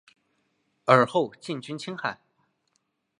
尔后进军青海。